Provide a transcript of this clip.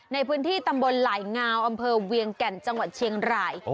ในพื้นที่ตำบลหลายงาวอำเภอเวียงแก่นจังหวัดเชียงราย